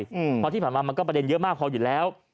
เพราะที่ผ่านมามันก็ประเด็นเยอะมากพออยู่แล้ว